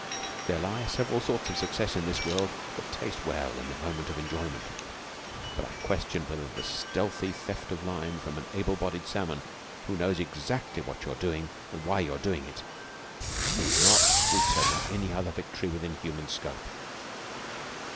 There lie several sorts of success in this world that taste well in the moment of enjoyment, but I question whether the stealthy theft of line from an able bodied salmon who knows exactly what you are doing and why you are doing it is not sweeter than any other victory within human scope.